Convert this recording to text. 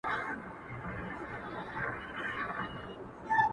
o زه درته څه ووايم ـ